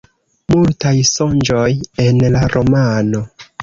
Multaj sonĝoj en la romano.